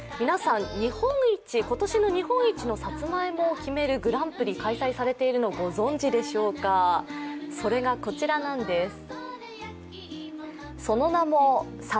皆さん、今年の日本一のさつまいもを決めるグランプリ、開催されているの、ご存じでしょうか、それがこちらなんです。